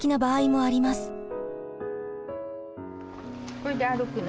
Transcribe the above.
これで歩くの？